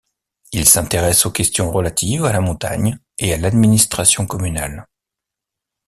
Il s'intéresse aux questions relatives à la montagne et à l'administration communale.